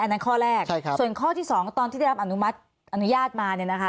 อันนั้นข้อแรกส่วนข้อที่สองตอนที่ได้รับอนุญาตมา